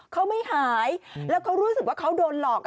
เขาไม่หายแล้วเขารู้สึกว่าเขาโดนหลอก